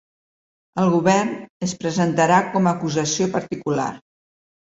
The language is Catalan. El govern es presentarà com a acusació particular.